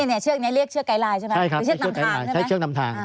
นี่เชือกนี้เรียกเชือกไกร์ไลน์ใช่ไหม